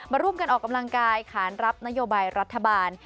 ร่วมกันออกกำลังกายขานรับนโยบายรัฐบาล